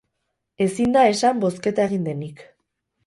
Ezin da esan bozketa egin denik.